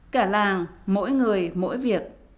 cả làng mỗi người mỗi việc